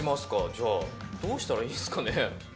じゃあどうしたらいいんですかね？」